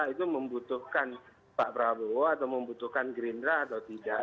itu membutuhkan pak prabowo atau membutuhkan gerindra atau tidak